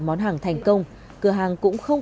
món hàng thành công cửa hàng cũng không